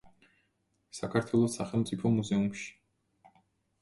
საქართველოს სახელმწიფო მუზეუმში.